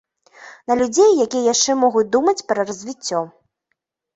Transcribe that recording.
На людзей, якія яшчэ могуць думаць пра развіццё.